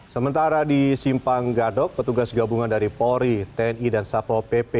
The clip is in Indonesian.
sementara di simpang gadok petugas gabungan dari polri tni dan satpol pp